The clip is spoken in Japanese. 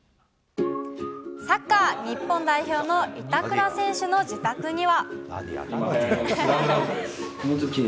サッカー日本代表の板倉選手の自宅には。